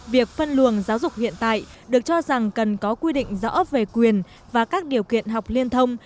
việc phân luồng giáo dục hiện tại được cho rằng cần có quy định rõ về quyền và các điều kiện học liên thông